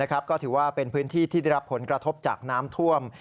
ก็ถือว่าเป็นพื้นที่ที่ได้รับผลกระทบจากน้ำท่วม